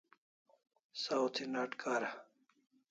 Saw thi n'at kara